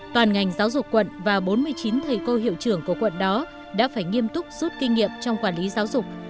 toàn ngành giáo dục quận và bốn mươi chín thầy cô hiệu trưởng của quận đó đã phải nghiêm túc rút kinh nghiệm trong quản lý giáo dục